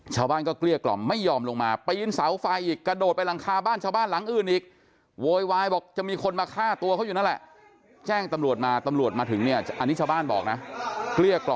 ชาวบ้านก็เกลี้ยกล่อมไม่ยอมลงมาปีนเสาไฟอีกกระโดดไปหลังคาบ้านชาวบ้านหลังอื่นอีก